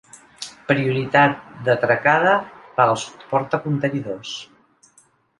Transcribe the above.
Prioritat d'atracada per als portacontenidors.